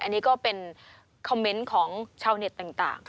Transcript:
อันนี้ก็เป็นคอมเมนต์ของชาวเน็ตต่าง